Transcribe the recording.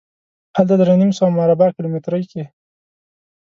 هلته درې نیم سوه مربع کیلومترۍ کې.